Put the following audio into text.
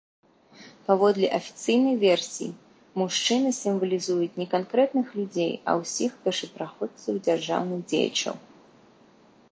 Паводле афіцыйнай версіі мужчыны сімвалізуюць не канкрэтных людзей, а ўсіх першапраходцаў і дзяржаўных дзеячаў.